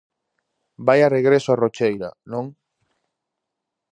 Vaia regreso á Rocheira, non?